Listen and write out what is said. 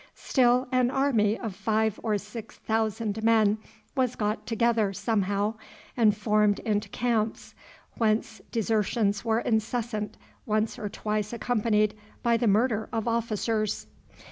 Still, an army of five or six thousand men was got together somehow, and formed into camps, whence desertions were incessant, once or twice accompanied by the murder of officers.